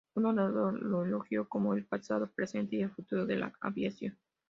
Un orador lo elogió como "el pasado, presente y el futuro de la aviación".